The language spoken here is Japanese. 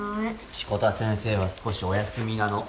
志子田先生は少しお休みなの。